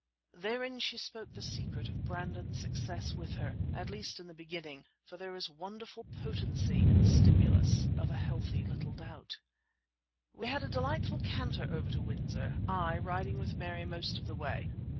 Therein she spoke the secret of Brandon's success with her, at least in the beginning; for there is wonderful potency in the stimulus of a healthy little doubt. We had a delightful canter over to Windsor, I riding with Mary most of the way.